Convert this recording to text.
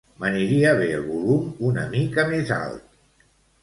M'aniria bé el volum una mica més alt.